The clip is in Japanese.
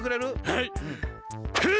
はい！